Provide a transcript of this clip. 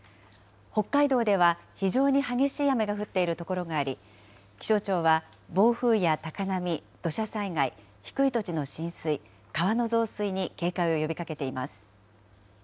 北海道では、非常に激しい雨が降っている所があり、気象庁は暴風や高波、土砂災害、低い土地の浸水、川の増水に警戒を呼びかけています。